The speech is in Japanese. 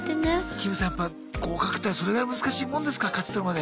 キムさんやっぱ合格ってそれぐらい難しいもんですか勝ち取るまで。